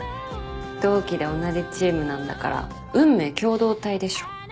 同期で同じチームなんだから運命共同体でしょ。